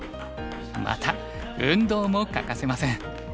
また運動も欠かせません。